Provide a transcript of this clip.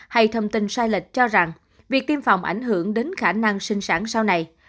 hay thông tin sai lệch cho rằng việc tiêm phòng ảnh hưởng đến khả năng sinh sản sau này